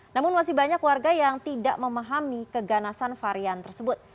namun masih banyak warga yang tidak memahami keganasan varian tersebut